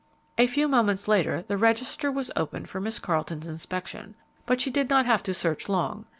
A few moments later the register was opened for Miss Carleton's inspection, but she did not have to search long.